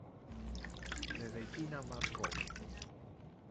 La regina Margot